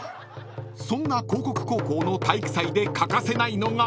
［そんな興國高校の体育祭で欠かせないのが］